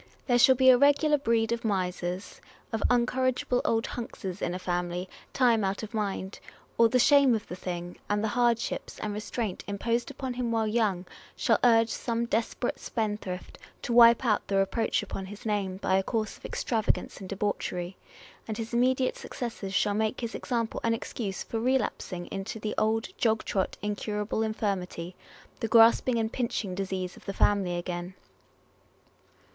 There shall be a regular breed of misers, of incorrigible old hunkses in a family, time out of mind; or the shame of the thing, and the hardships and restraint imposed upon him while young, shall urge some desperate spendthrift to wipe out the reproach upon his name by a course of extravagance and debauchery ; and his immediate successors shall make his example an excuse for relapsing into the old jog trot incurable infirmity, the grasping and pinching disease of the family again.